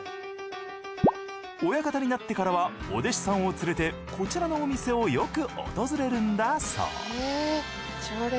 親方になってからはお弟子さんを連れてこちらのお店をよく訪れるんだそう。